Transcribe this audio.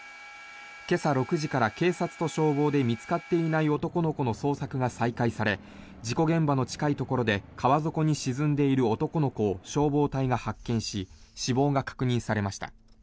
けさ６時から警察と消防で見つかっていない男の子の捜索が再開され事故現場の近いところで川底に沈んでいる男の子を消防隊が発見し死亡が確認されました。